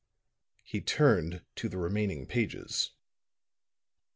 He turned to the remaining pages.